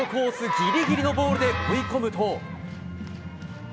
ぎりぎりのボールで追い込むと。